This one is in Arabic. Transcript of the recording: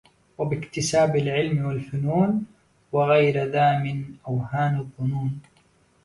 وباكتساب العلم والفنون وغير ذا من أوهن الظنون